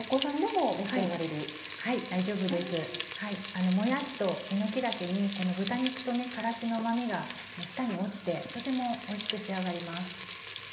もやしとえのき茸に豚肉と辛子のうま味が下に落ちてとてもおいしく仕上がります。